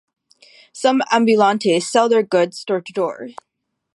Some ambulantes sell their goods door-to-door.